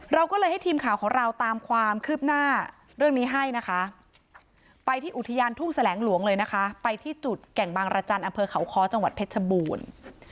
เราก็เลยให้ทีมข่าวของเราตามความคืบหน้าเรื่องนี้ให้นะคะไปที่อุทยานทุ่งแสลงหลวงเลยนะคะไปที่จุดแก่งบางรจันทร์อำเภอเขาค้อจังหวัดเพชรชบูรณ์